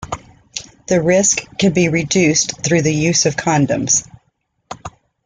This risk can be reduced through the use of condoms.